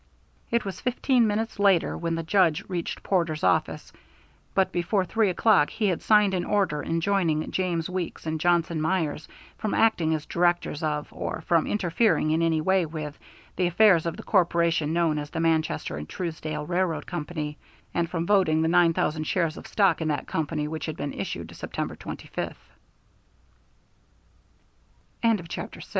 It was fifteen minutes later when the Judge reached Porter's office, but before three o'clock he had signed an order enjoining James Weeks and Johnson Myers from acting as directors of, or from interfering in any way with, the affairs of the corporation known as the Manchester & Truesdale Railroad Company, and from voting the nine thousand shares of stock in that company which had been issued September 25th. CHAPTER VII BETWEEN THE LINES On Friday afternoon Harvey close